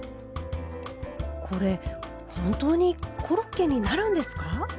これ本当にコロッケになるんですか？